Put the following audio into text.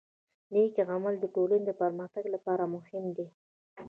نیک عمل د ټولنې د پرمختګ لپاره مهم دی.